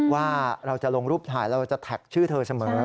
ว่าเราจะลงรูปถ่ายเราจะแท็กชื่อเธอเสมอ